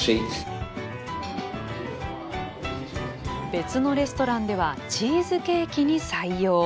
別のレストランではチーズケーキに採用。